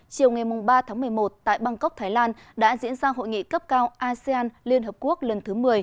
chiều ngày ba tháng một mươi một tại bangkok thái lan đã diễn ra hội nghị cấp cao asean lhc lần thứ một mươi